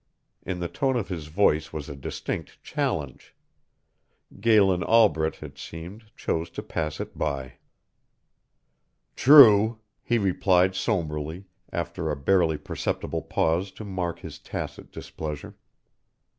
In the tone of his voice was a distinct challenge. Galen Albret, it seemed, chose to pass it by. "True," he replied sombrely, after a barely perceptible pause to mark his tacit displeasure.